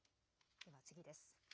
では次です。